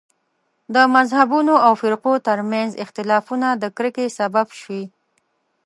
د مذهبونو او فرقو تر منځ اختلافونه د کرکې سبب شوي.